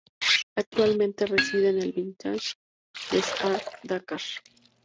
Actualmente reside en el Village des Arts de Dakar.